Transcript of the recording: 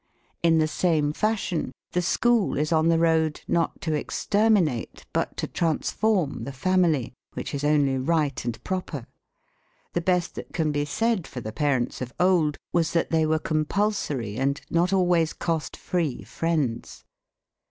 In the same fashion the school is on the road not to exterminate but to transform the family, which is only right and proper. The best that can be said for the parents of old was that they were compulsory and not always cost free friends.